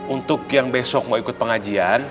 untuk yang besok mau ikut pengajian